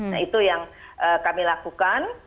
nah itu yang kami lakukan